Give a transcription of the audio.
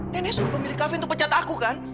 nenek suruh pemilik kafe untuk pecat aku kan